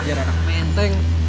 biar anak penteng